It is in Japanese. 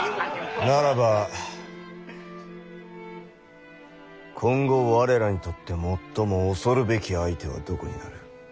ならば今後我らにとって最も恐るべき相手はどこになる？